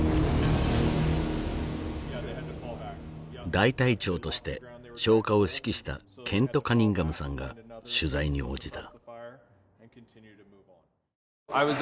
大隊長として消火を指揮したケント・カニンガムさんが取材に応じた。